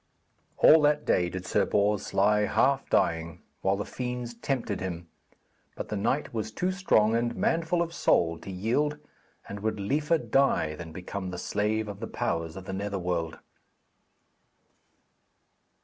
All that day did Sir Bors lie half dying, while the fiends tempted him, but the knight was too strong and manful of soul to yield, and would liefer die than become the slave of the powers of the Netherworld.